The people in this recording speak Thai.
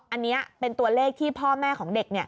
อันนี้เป็นตัวเลขที่พ่อแม่ของเด็ก